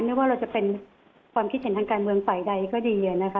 ไม่ว่าเราจะเป็นความคิดเห็นทางการเมืองฝ่ายใดก็ดีนะคะ